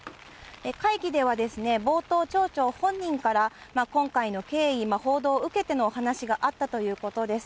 会議ではですね、冒頭、町長本人から、今回の経緯、報道を受けてのお話があったということです。